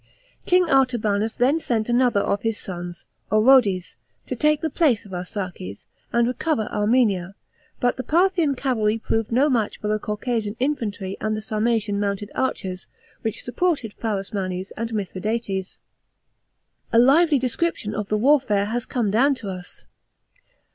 King Artabanus then sent another of his sons, Orodes, to take the place of Arsaces, and recover Armenia, but the Parthian cavalry proved no match lor the Caucasian infantry and the Sarmatiau mounted archers, which supported Pharasmanes and Mithradates. A lively description of the warfare has come down to us.